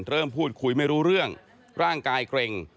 เริ่มพูดคุยไม่รู้เรื่องร่างกายเกร็ง